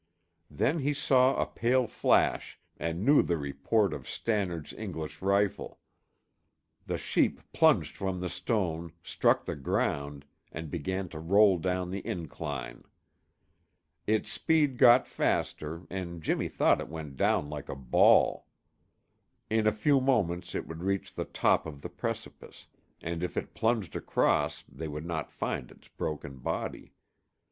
Then he saw a pale flash and knew the report of Stannard's English rifle. The sheep plunged from the stone, struck the ground, and began to roll down the incline. Its speed got faster and Jimmy thought it went down like a ball. In a few moments it would reach the top of the precipice, and if it plunged across they would not find its broken body.